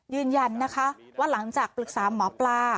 ยืนยันนะคะว่าหลังจากปรึกษาหมอปลา